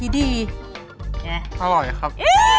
อร่อยครับ